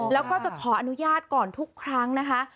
แล้วก็จะขออนุญาตก่อนทุกครั้งนะคะ